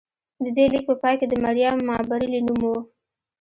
د دې لیک په پای کې د مریم مابرلي نوم و